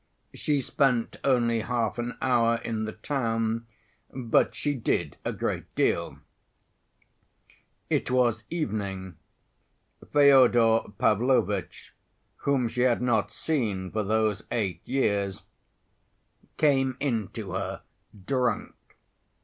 She spent only half an hour in the town but she did a great deal. It was evening. Fyodor Pavlovitch, whom she had not seen for those eight years, came in to her drunk.